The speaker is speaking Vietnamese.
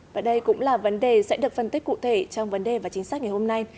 và đây cũng là vấn đề sẽ được phân tích cụ thể trong vấn đề và chính sách ngày hôm nay